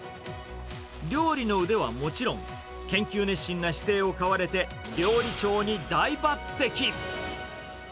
料理の腕はもちろん、研究熱心な姿勢を買われて、料理長に大抜てき。